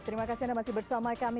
terima kasih anda masih bersama kami